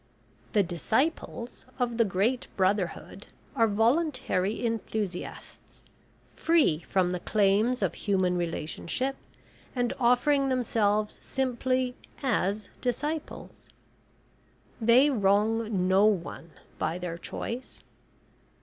The disciples of the great Brotherhood are voluntary enthusiasts, free from the claims of human relationship, and offering themselves simply as disciples. They wrong no one by their choice.